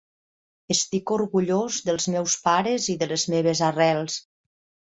Estic orgullós dels meus pares i de les meves arrels.